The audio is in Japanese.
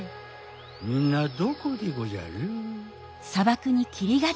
みんなどこでごじゃる？